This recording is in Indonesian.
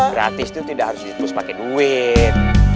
gratis itu tidak harus dipus pake duit